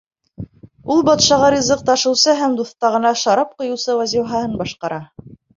Ул батшаға ризыҡ ташыусы һәм туҫтағына шарап ҡойоусы вазифаһын башҡара.